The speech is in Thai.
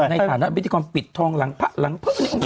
ในฐานวาลวิธีกรมปิดทองหลัง